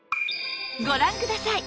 ご覧ください！